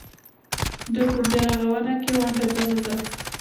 دوی په بیارغونه کې ونډه درلوده.